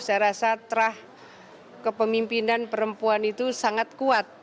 saya rasa terah kepemimpinan perempuan itu sangat kuat